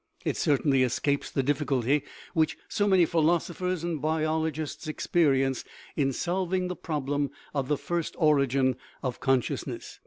It certainly escapes the difficulty which so many philosophers and biolo gists experience in solving the problem of the first or igin of consciousness.